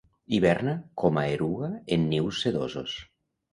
Hiberna com a eruga en nius sedosos.